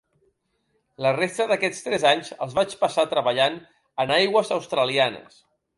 La resta d'aquests tres anys els vaig passar treballant en aigües australianes.